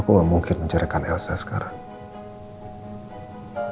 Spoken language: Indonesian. aku nggak mungkin menceritakan elsa sekarang